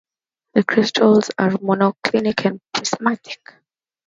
The crystals are monoclinic and prismatic.